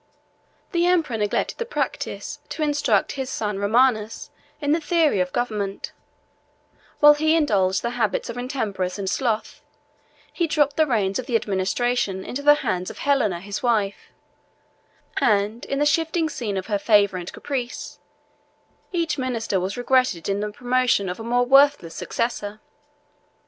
The emperor neglected the practice to instruct his son Romanus in the theory of government; while he indulged the habits of intemperance and sloth, he dropped the reins of the administration into the hands of Helena his wife; and, in the shifting scene of her favor and caprice, each minister was regretted in the promotion of a more worthless successor.